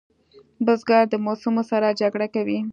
بزګر د موسمو سره جګړه کوي